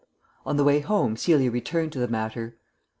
On the way home Celia returned to the matter.